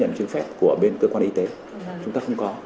cấp nhận chứng phép của bên cơ quan y tế chúng ta không có